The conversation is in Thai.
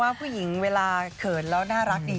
ผู้หญิงเวลาเขินแล้วน่ารักดี